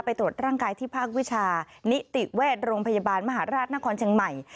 ตรวจร่างกายที่ภาควิชานิติเวชโรงพยาบาลมหาราชนครเชียงใหม่